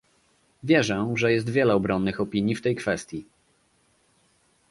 Wierzę, że jest wiele obronnych opinii w tej kwestii